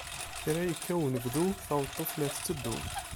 Kra yekka unebdu, taweṭṭuft la tetteddu.